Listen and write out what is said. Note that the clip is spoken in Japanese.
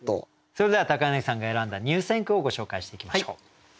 それでは柳さんが選んだ入選句をご紹介していきましょう。